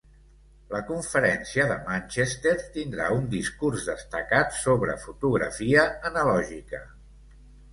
La conferència de Manchester tindrà un discurs destacat sobre fotografia analògica.